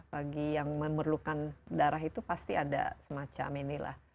bagi yang memerlukan darah itu pasti ada semacam inilah